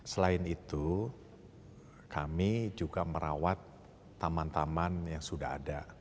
selain itu kami juga merawat taman taman yang sudah ada